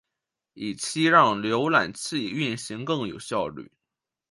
以期让浏览器运行更有效率。